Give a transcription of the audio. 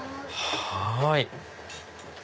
はい。